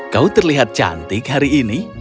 kau terlihat cantik hari ini